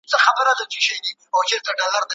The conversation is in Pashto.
¬ ږيره زما، اختيار ئې د قاضي غلام.